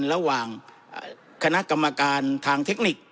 ระหว่างคณะกรรมการทางเทคนิค